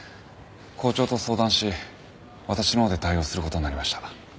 校長と相談し私の方で対応することになりました。